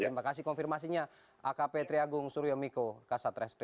terima kasih konfirmasinya